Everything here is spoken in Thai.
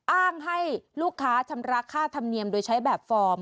อ้างให้ลูกค้าชำระค่าธรรมเนียมโดยใช้แบบฟอร์ม